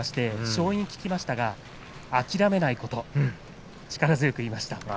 勝因を聞きましたら諦めないことと力強く言いました。